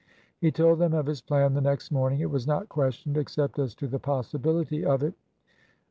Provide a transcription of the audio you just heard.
He told them of his plan the next morning. It was not questioned except as to the possibility of it.